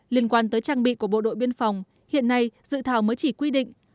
liên quan tới trang bị của bộ đội biên phòng hiện nay dự thảo mới chỉ quy định